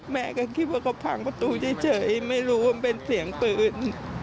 แม่ก็คิดว่าเขาพังประตูเฉยไม่รู้ว่ามันเป็นเสียงปืน